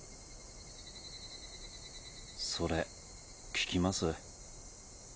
それ聞きます？